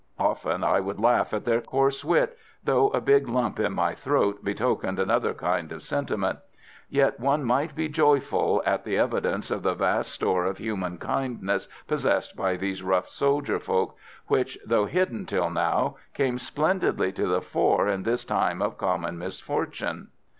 Often I would laugh at their coarse wit, though a big lump in my throat betokened another kind of sentiment. Yet one might be joyful at the evidence of the vast store of human kindness possessed by these rough soldier folk, which, though hidden till now, came splendidly to the fore in this time of common misfortune.